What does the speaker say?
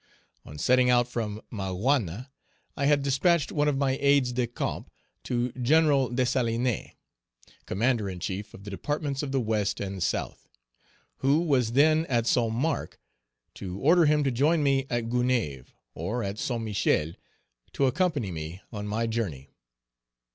On setting out from Maguâna, I had despatched one of my aides de camp to Gen. Dessalines, Commander in chief of the departments of the West and South, who was then at St. Marc, to order him to join me at Gonaïves, or at St. Michel, to accompany me on my journey.